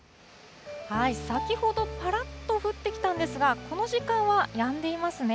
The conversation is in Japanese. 先ほどぱらっと降ってきたんですが、この時間はやんでいますね。